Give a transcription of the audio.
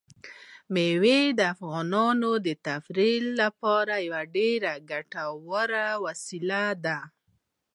مېوې د افغانانو د تفریح لپاره یوه ډېره ګټوره وسیله ده.